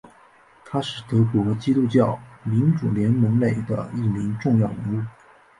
他是德国基督教民主联盟内的一名重要人物。